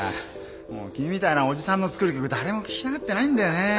もう君みたいなおじさんの作る曲誰も聴きたがってないんだよね